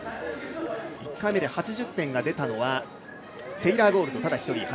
１回目で８０点が出たのはテイラー・ゴールド、ただ１人。